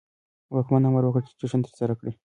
واکمن امر وکړ چې جشن ترسره کړي.